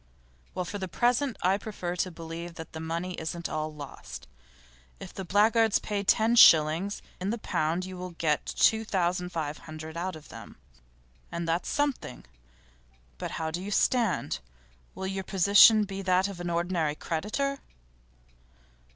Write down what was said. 'Well, for the present I prefer to believe that the money isn't all lost. If the blackguards pay ten shillings in the pound you will get two thousand five hundred out of them, and that's something. But how do you stand? Will your position be that of an ordinary creditor?